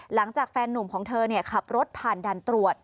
หลังจากแฟนนุ่มของเธอเนี่ยขับรถผ่านด่านตรวจ